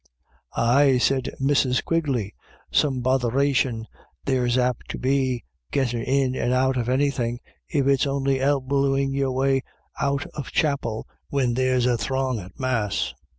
"Aye," said Mrs. Quigley, "some botheration there's apt to be gittin' in and out of anythin', if it's on'y elbowin' your way out of chapel, whin there's a throng at Mass.